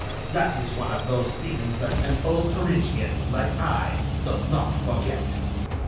That is one of those things that an old Parisian, like I, does not forget."